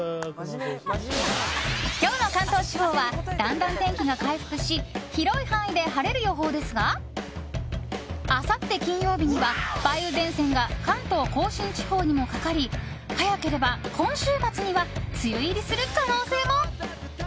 今日の関東地方はだんだん天気が回復し広い範囲で晴れる予報ですがあさって金曜日には梅雨前線が関東・甲信地方にもかかり早ければ今週末には梅雨入りする可能性も。